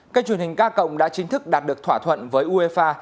cây truyền hình k cộng đã chính thức đạt được thỏa thuận với uefa